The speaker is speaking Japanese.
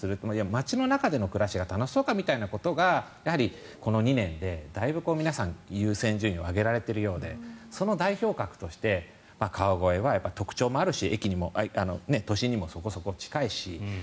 街の中での暮らしが楽しそうかみたいなことがこの２年でだいぶ皆さん優先順位を上げられているようでその代表格として川越はやっぱり特徴もあるし都心にもそこそこ近いし。